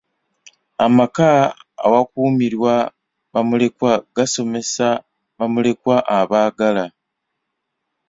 Amaka awakuumirwa bamulekwa gasomesa bamulekwa abaagala.